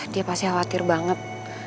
dia pasti khawatir banget